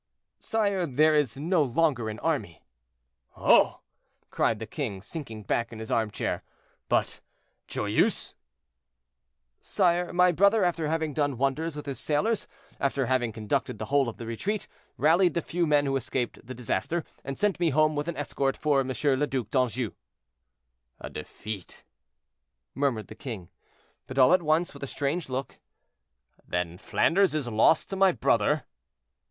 "Sire, there is no longer an army." "Oh!" cried the king, sinking back in his armchair, "but Joyeuse—" "Sire, my brother, after having done wonders with his sailors, after having conducted the whole of the retreat, rallied the few men who escaped the disaster, and sent me home with an escort for M. le Duc d'Anjou." "A defeat!" murmured the king. But all at once, with a strange look. "Then Flanders is lost to my brother?"